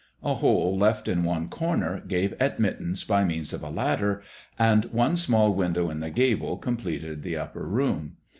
A hole left in one corner gave admittance by means of a ladder, and one small window in the gable completed the upper room.